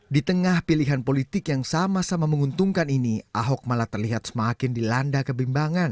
di tengah pilihan politik yang sama sama menguntungkan ini ahok malah terlihat semakin dilanda kebimbangan